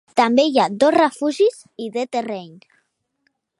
També hi ha dos refugis, i de terreny.